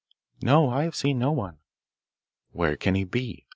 'No, I have seen no one.' 'Where can he be?